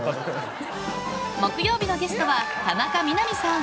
［木曜日のゲストは田中みな実さん］